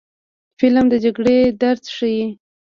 فلم د جګړې درد ښيي